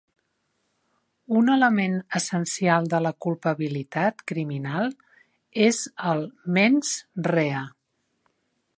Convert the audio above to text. Un element essencial de la culpabilitat criminal és el "mens rea".